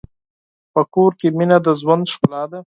په کور کې مینه د ژوند ښکلا ده.